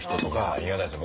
ありがたいです